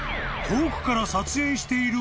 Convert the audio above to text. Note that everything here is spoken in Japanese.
［遠くから撮影している］